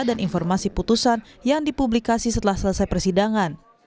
dan informasi putusan yang dipublikasi setelah selesai persidangan